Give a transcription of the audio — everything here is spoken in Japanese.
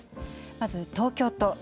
まず東京都。